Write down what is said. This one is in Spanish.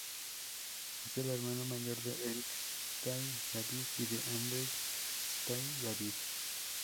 Es el hermano mayor de Eric Stahl-David y de Andrew R. Stahl-David.